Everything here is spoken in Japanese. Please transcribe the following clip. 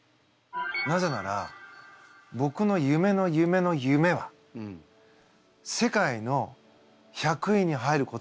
なぜならぼくの夢の夢の夢は世界の１００位に入ることだったんですよ。